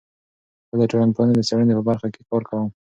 زه د ټولنپوهنې د څیړنې په برخه کې کار کوم.